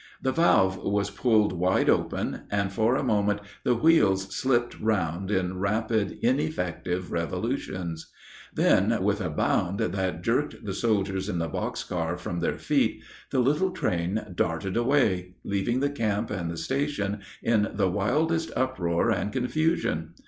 The valve was pulled wide open, and for a moment the wheels slipped round in rapid, ineffective revolutions; then, with a bound that jerked the soldiers in the box car from their feet, the little train darted away, leaving the camp and the station in the wildest uproar and confusion.